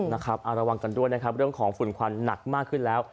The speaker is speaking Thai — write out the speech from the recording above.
ระวังกันด้วยนะครับเรื่องของฝุ่นควันหนักมากขึ้นแล้ว